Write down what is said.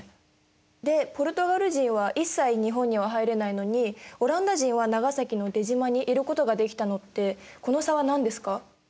でポルトガル人は一切日本には入れないのにオランダ人は長崎の出島にいることができたのってこの差は何ですか？